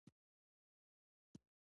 د متن څېړني او متن پوهني ترمنځ توپيرونه سته.